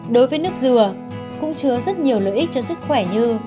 đối với nước dừa cũng chứa rất nhiều lợi ích cho sức khỏe như